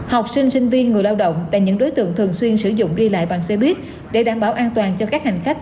học sinh sinh viên người lao động tại những đối tượng thường xuyên sử dụng đi lại bằng xe buýt để đảm bảo an toàn cho các hành khách